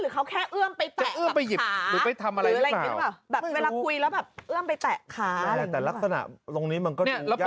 เขาไม่ชอบ